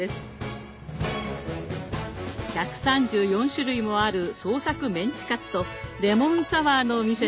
１３４種類もある創作メンチカツとレモンサワーのお店です。